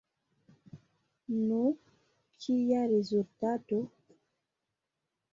Nu, kia rezultato?